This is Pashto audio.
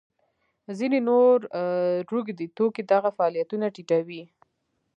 ځینې نور روږدي توکي دغه فعالیتونه ټیټوي.